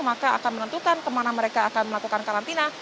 maka akan menentukan kemana mereka akan melakukan karantina